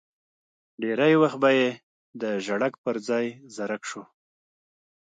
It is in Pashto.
ډېری وخت به یې د ژړک پر ځای زرک شو.